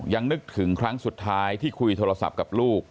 นึกถึงครั้งสุดท้ายที่คุยโทรศัพท์กับลูก